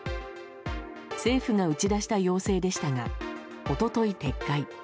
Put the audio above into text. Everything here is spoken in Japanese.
政府が打ち出した要請でしたが一昨日撤回。